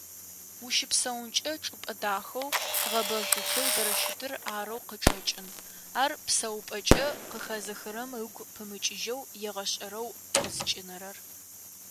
Ущыпсэункӏэ чӏыпӏэ дахэу, гъэбэжъулъэу зэрэщытыр арэу къычӏэкӏын, ар псэупӏэкӏэ къыхэзыхырэм ыгу пымыкӏыжьэу егъэшӏэрэу къызкӏинэрэр.